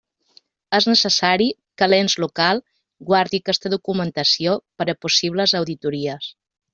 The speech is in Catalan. És necessari que l'ens local guardi aquesta documentació per a possibles auditories.